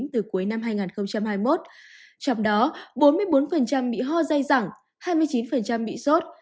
từ cuối năm hai nghìn hai mươi một trong đó bốn mươi bốn bị ho dây dẳng hai mươi chín bị sốt